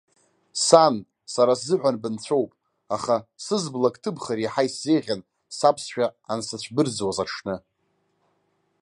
Сан, сара сзыҳәан бынцәоуп, аха сызблак ҭыбхыр иаҳа исзеиӷьын саԥсшәа ансыцәбырӡуаз аҽны!